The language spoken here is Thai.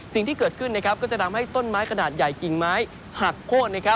สิ่งที่เกิดขึ้นก็จะทำให้ต้นไม้ขนาดใหญ่กิ่งไม้หักโค้น